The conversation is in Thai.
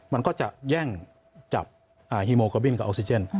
มันก็จะแย่งจับฮีโมโกบินกับออกซิเจน